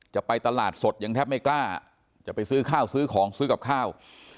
จะไปตลาดสดยังแทบไม่กล้าจะไปซื้อข้าวซื้อของซื้อกับข้าว